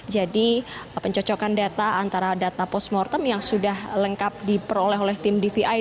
jadi pencocokan data antara data post mortem yang sudah lengkap diperoleh oleh tim dvi